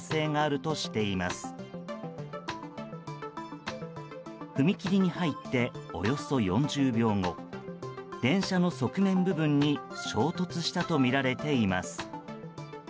踏切に入っておよそ４０秒後電車の側面部分に衝突したとみられています。